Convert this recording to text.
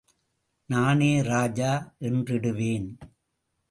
நானே ராஜா என்றிடுவேன்.